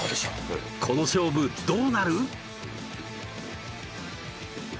この勝負どうなる？